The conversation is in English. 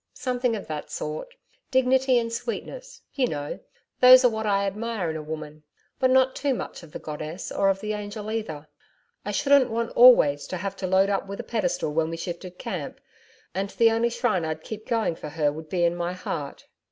Something of that sort. Dignity and sweetness, you know those are what I admire in a woman. But not too much of the goddess or of the angel either. I shouldn't want always to have to load up with a pedestal when we shifted camp, and the only shrine I'd keep going for her would be in my heart.